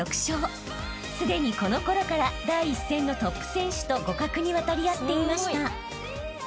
［すでにこのころから第一線のトップ選手と互角に渡り合っていました］